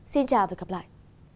xin chào và hẹn gặp lại